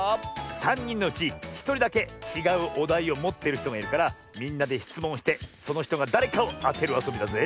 さんにんのうちひとりだけちがうおだいをもってるひとがいるからみんなでしつもんをしてそのひとがだれかをあてるあそびだぜ。